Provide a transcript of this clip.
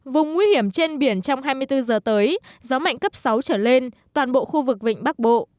vùng nguy hiểm trên biển trong hai mươi bốn giờ tới gió mạnh cấp sáu trở lên toàn bộ khu vực vịnh bắc bộ